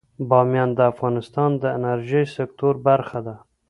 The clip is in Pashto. بامیان د افغانستان د انرژۍ سکتور برخه ده.